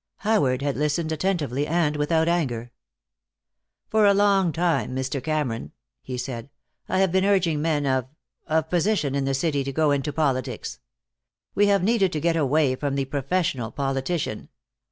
Howard had listened attentively and without anger. "For a long time, Mr. Cameron," he said, "I have been urging men of of position in the city, to go into politics. We have needed to get away from the professional politician.